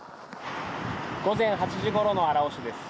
午前８時ごろの荒尾市です。